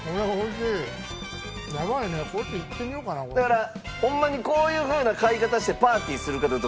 だからホンマにこういう風な買い方してパーティーする方とかがおられる